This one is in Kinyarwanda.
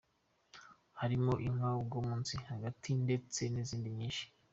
harimo nka Uwo Munsi, Agatima ndetse nizindi nyinshi .